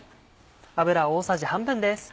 油大さじ半分です。